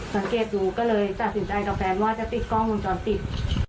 สังเกตดูก็เลยตัดสินใจกับแฟนว่าจะติดกล้องวงจรปิด